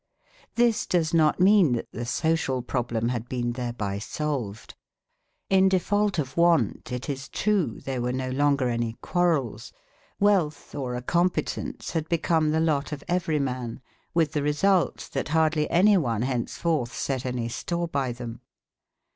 This does not mean that the social problem had been thereby solved. In default of want, it is true, there were no longer any quarrels; wealth or a competence had become the lot of every man, with the result that hardly anyone henceforth set any store by them.